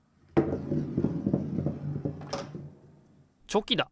チョキだ！